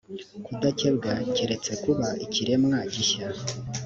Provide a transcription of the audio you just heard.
kudakebwa keretse kuba ikiremwa gishya